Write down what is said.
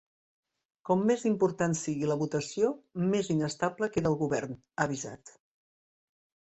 Com més important sigui la votació més inestable queda el Govern, ha avisat.